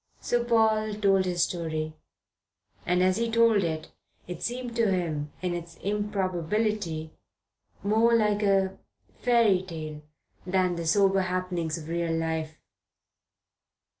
So Paul told his story, and as he told it, it seemed to him, in its improbability, more like a fairy tale than the sober happenings of real life.